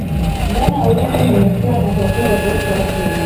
Dhana ya urembo imekuwa na tafsiri tofauti kwa watu wengi